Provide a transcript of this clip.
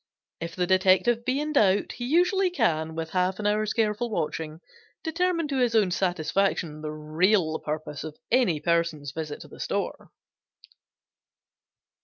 If the detective be in doubt he usually can, with half an hour's careful watching, determine to his own satisfaction the real purpose of any person's visit to the store.